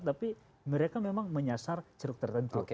tapi mereka memang menyasar ceruk tertentu